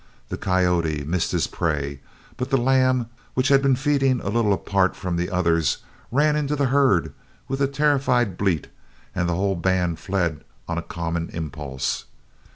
The coyote missed his prey, but the lamb, which had been feeding a little apart from the others, ran into the herd with a terrified bleat and the whole band fled on a common impulse.